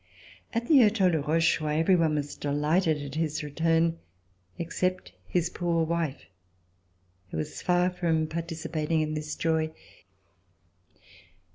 At the Hotel de Rochechouart every one was de lighted at his return, except his poor wife who was far from participating in this joy.